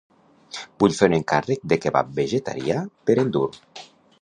Vull fer un encàrrec de kebab vegetarià per endur.